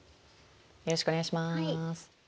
よろしくお願いします。